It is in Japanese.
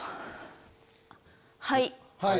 はい。